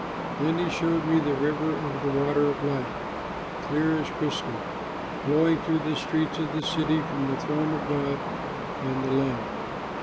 Then he showed me the river of the water of life, clear as crystal, flowing through the streets of the city from the throne of God and the Lamb.